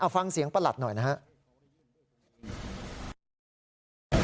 เอาฟังเสียงประหลัดหน่อยนะครับ